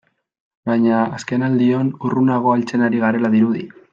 Baina azkenaldion urrunago heltzen ari garela dirudi.